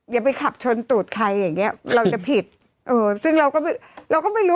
อย่าไปขับชนตูดใครอย่างเงี้ยเราจะผิดเออซึ่งเราก็เราก็ไม่รู้